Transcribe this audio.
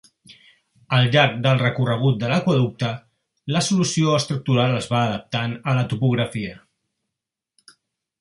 Al llarg del recorregut de l'aqüeducte, la solució estructural es va adaptant a la topografia.